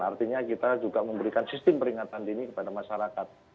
artinya kita juga memberikan sistem peringatan dini kepada masyarakat